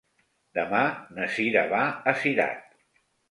Demà na Cira va a Cirat.